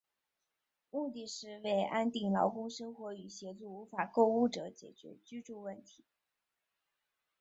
目的是为安定劳工生活与协助无法购屋者解决居住问题。